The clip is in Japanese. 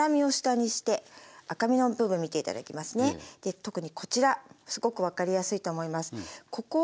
特にこちらすごく分かりやすいと思います。